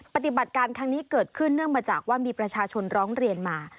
ปฏิบัติการครั้งนี้เกิดขึ้นเนื่องมาจากว่ามีประชาชนร้องเรียนมา